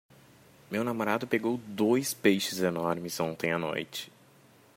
Meu namorado pegou dois peixes enormes ontem à noite.